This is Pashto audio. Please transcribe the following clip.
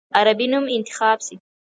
عربي نوم انتخاب شي.